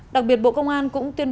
đặc biệt bộ công an cũng tuyên bố